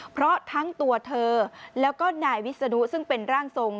เพราะทั้งตัวเธอแล้วก็นายวิศนุซึ่งเป็นร่างทรง